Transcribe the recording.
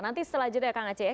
nanti setelah jeda kang aceh